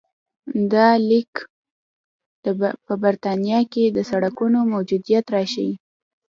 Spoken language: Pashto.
دا لیک په برېټانیا کې د سړکونو موجودیت راښيي